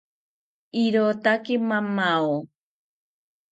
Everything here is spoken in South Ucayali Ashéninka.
Irotaki mamao